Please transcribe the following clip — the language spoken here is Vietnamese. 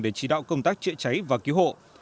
để chỉ đạo công tác chữa cháy và cứu hộ